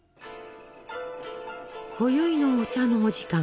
こよいのお茶のお時間。